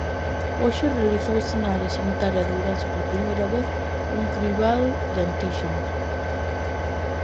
Hoxe realizouse na área sanitaria de Ourense por primeira vez un cribado de antíxenos.